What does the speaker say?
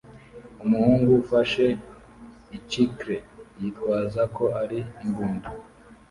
Umuhungu ufashe icicle yitwaza ko ari imbunda